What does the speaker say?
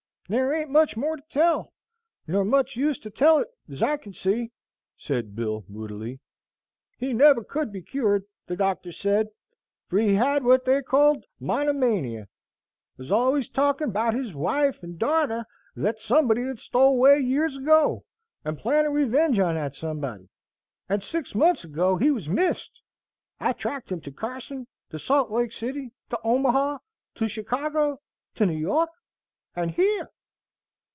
"Thar ain't much more to tell, nor much use to tell it, as I can see," said Bill, moodily. "He never could be cured, the doctors said, for he had what they called monomania, was always talking about his wife and darter that somebody had stole away years ago, and plannin' revenge on that somebody. And six months ago he was missed. I tracked him to Carson, to Salt Lake City, to Omaha, to Chicago, to New York, and here!"